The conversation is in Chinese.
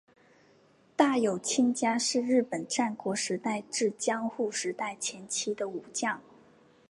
大友亲家是日本战国时代至江户时代前期的武将。